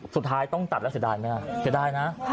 สุดท้ายต้องตัดแล้วเสียดายไหมฮะเสียดายนะ